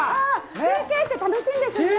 中継って楽しいんですね。